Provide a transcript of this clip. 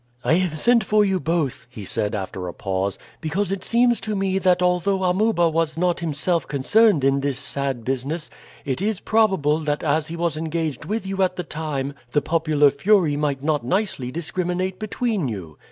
"I have sent for you both," he said after a pause, "because it seems to me that although Amuba was not himself concerned in this sad business, it is probable that as he was engaged with you at the time the popular fury might not nicely discriminate between you."